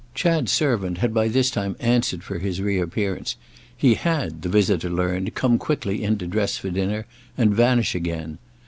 Chad's servant had by this time answered for his reappearance; he had, the visitor learned, come quickly in to dress for dinner and vanish again.